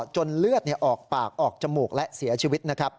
จนเลือดออกปากออกจมูกและเสียชีวิต